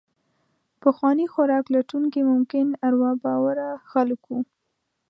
پخواني خوراک لټونکي ممکن اروا باوره خلک وو.